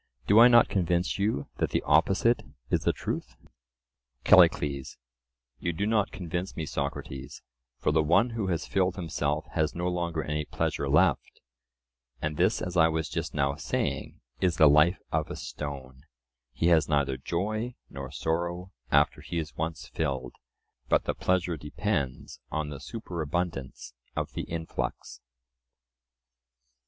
Do I not convince you that the opposite is the truth? CALLICLES: You do not convince me, Socrates, for the one who has filled himself has no longer any pleasure left; and this, as I was just now saying, is the life of a stone: he has neither joy nor sorrow after he is once filled; but the pleasure depends on the superabundance of the influx.